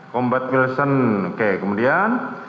kombo wilson oke kemudian